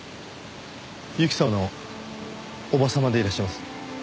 侑希さんの叔母様でいらっしゃいます？